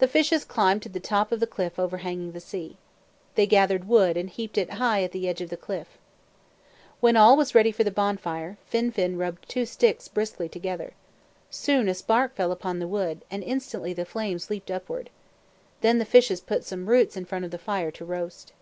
The fishes climbed to the top of the cliff overhanging the sea. They gathered wood and heaped it high at the edge of the cliff. When all was ready for the bonfire, Fin fin rubbed two sticks briskly together. Soon a spark fell upon the wood, and instantly the flames leaped upward. Then the fishes put some roots in front of the fire to roast.